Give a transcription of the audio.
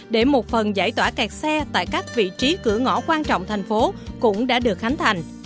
để một phần giải tỏa kẹt xe tại các vị trí cửa ngõ quan trọng thành phố cũng đã được khánh thành